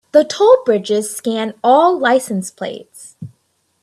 The toll bridges scan all license plates.